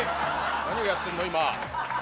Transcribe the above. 何をやってるの、今。